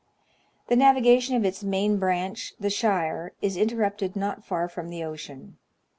The navigation of its main branch, the Shire, is interrupted not far from the ocean.